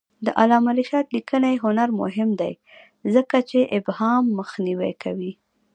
د علامه رشاد لیکنی هنر مهم دی ځکه چې ابهام مخنیوی کوي.